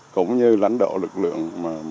cũng như lãnh đạo lực lượng